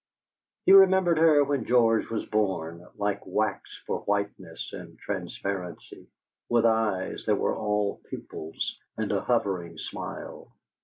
He remembered her when George was born, like wax for whiteness and transparency, with eyes that were all pupils, and a hovering smile.